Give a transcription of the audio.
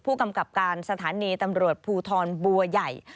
ผู้กำกับการสถานีตำรวจภูทรบัวใหญ่